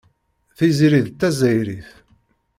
Tiziri d Tazzayrit.